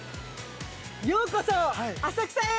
◆ようこそ、浅草へ。